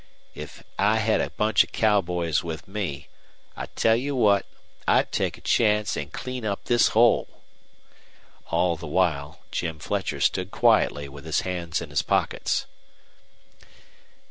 If I hed a bunch of cowboys with me I tell you what I'd take a chance an' clean up this hole!" All the while Jim Fletcher stood quietly with his hands in his pockets.